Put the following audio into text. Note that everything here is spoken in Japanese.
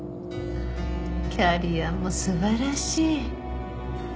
キャリアも素晴らしい！